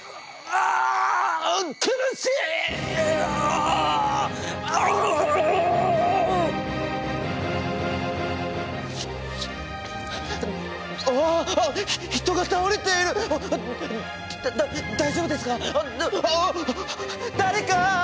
ああっ誰か！